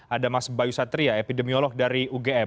ada mas bayu satria epidemiolog dari ugm